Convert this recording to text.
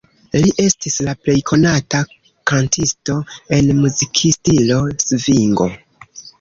Li estis la plej konata kantisto en muzikstilo svingo.